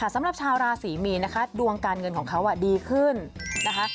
สำหรับชาวราศรีมีนนะคะดวงการเงินของเขาดีขึ้นนะคะ